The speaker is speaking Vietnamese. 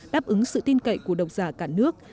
đáp ứng sự tin cậy của độc giả cả nước